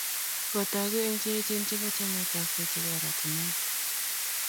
Kotogu eng cheechen chebo chametabkei chebo oratinwek